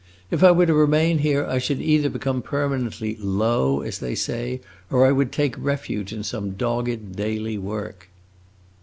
If I were to remain here I should either become permanently 'low,' as they say, or I would take refuge in some dogged daily work."